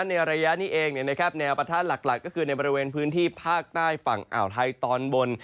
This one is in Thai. ในระยะนี้เองแนวปะทะหลักก็คือในบริเวณพื้นที่ภาคใต้ฝั่งอ่าวไทยตอนบน